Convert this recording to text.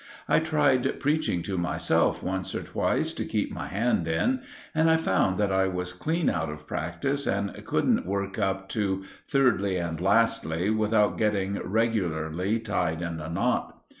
I tried preaching to myself once or twice, to keep my hand in, and I found that I was clean out of practice and couldn't work up to "thirdly and lastly" without getting regularly tied in a knot.